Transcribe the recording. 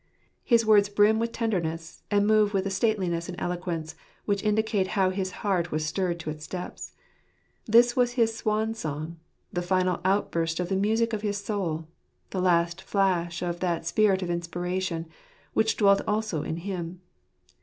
His words brim with tenderness, and move with a stateliness and eloquence, which indicate how his heart was stirred to its depths. This was his swan song, the final outburst of the music of his soul, the last flash of that Spirit of Inspiration, which dwelt also in him.